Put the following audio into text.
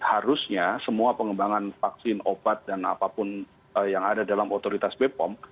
harusnya semua pengembangan vaksin obat dan apapun yang ada dalam otoritas bepom